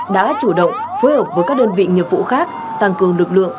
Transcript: đã chủ động phối hợp với các đơn vị nghiệp vụ khác tăng cường lực lượng